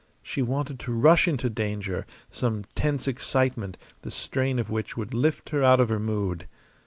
She wanted to rush into danger, some tense excitement the strain of which would lift her out of her mood.